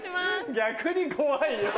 逆に怖いよ。